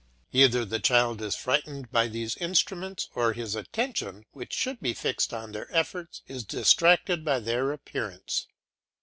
Either the child is frightened by these instruments or his attention, which should be fixed on their effects, is distracted by their appearance.